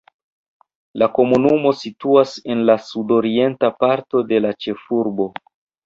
La komunumo situas en la sudorienta parto de la ĉefurbo.